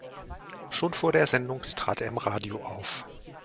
Schon vor der Sendung trat er im Radio auf.